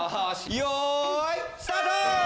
よいスタート！